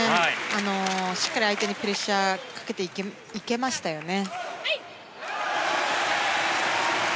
しっかり相手にプレッシャーをかけていけましたよね。